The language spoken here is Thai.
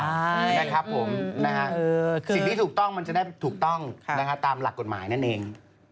ใช่นะครับผมนะฮะสิ่งที่ถูกต้องมันจะได้ถูกต้องตามหลักกฎหมายนั่นเอง